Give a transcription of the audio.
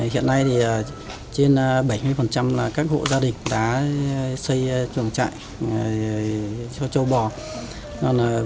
hiện nay trên bảy mươi các hộ gia đình đã xây chuồng trại